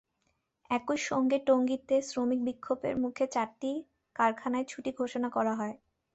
একই সঙ্গে টঙ্গীতে শ্রমিক বিক্ষোভের মুখে চারটি কারখানায় ছুটি ঘোষণা করা হয়।